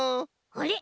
あれ！？